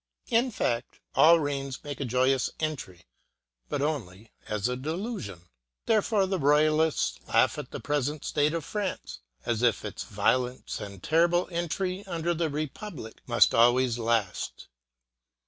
In fact, all reigns make a joyous entry, but only as a delusion. There fore the Royalists laugh at the present state of France as if its violent and terrible entry under the republic must always last.